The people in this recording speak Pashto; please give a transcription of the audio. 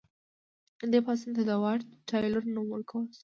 دې پاڅون ته د واټ تایلور نوم ورکړل شو.